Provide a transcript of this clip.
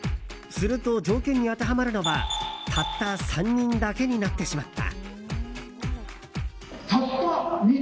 すると条件に当てはまるのはたった３人だけになってしまった。